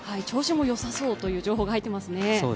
調子もよさそという情報が入ってますね。